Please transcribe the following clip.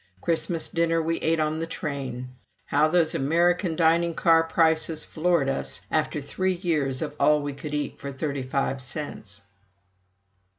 Christmas dinner we ate on the train. How those American dining car prices floored us after three years of all we could eat for thirty five cents!